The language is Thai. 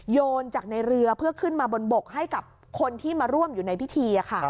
โยนจากในเรือเพื่อขึ้นมาบนบกให้กับคนที่มาร่วมอยู่ในพิธี